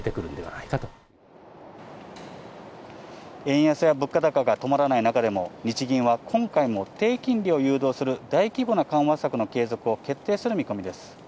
円安や物価高が止まらない中でも日銀は今回も低金利を誘導する大規模な緩和策の継続を決定する見込みです。